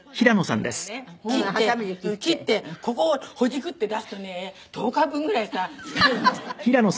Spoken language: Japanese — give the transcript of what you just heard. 切ってここをほじくって出すとね１０日分ぐらいさ使えるの。